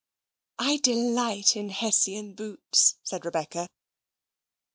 "I delight in Hessian boots," said Rebecca.